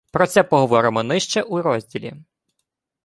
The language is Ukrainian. Про це поговоримо нижче у розділі